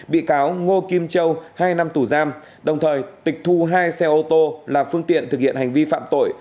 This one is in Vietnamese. bị cáo ngô kim châu hai năm tù giam đồng thời tịch thu hai xe ô tô là phương tiện thực hiện hành vi phạm tội